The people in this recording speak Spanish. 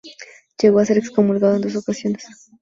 Llegó a ser excomulgado en dos ocasiones.